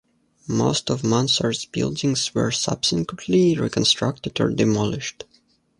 Most of Mansart's buildings were subsequently reconstructed or demolished.